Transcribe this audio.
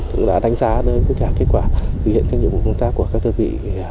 tôi đã đánh giá đến các kết quả thực hiện các nhiệm vụ công tác của các đơn vị